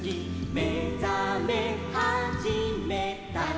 「めざめはじめた」「」